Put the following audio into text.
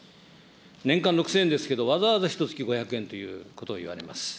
年間６０００円ですけど、わざわざひとつき５００円ということをいわれます。